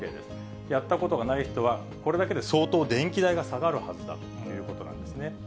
やったことがない人は、これだけで相当電気代が下がるはずだということなんですね。